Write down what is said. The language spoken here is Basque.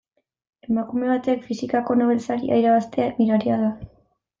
Emakume batek fisikako Nobel saria irabaztea miraria da.